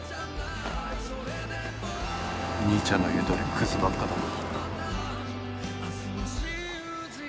兄ちゃんの言うとおりクズばっかだな。